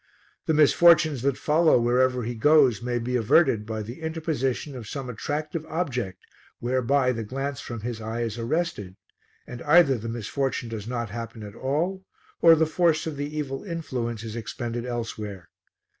The misfortunes that follow wherever he goes may be averted by the interposition of some attractive object whereby the glance from his eye is arrested, and either the misfortune does not happen at all, or the force of the evil influence is expended elsewhere.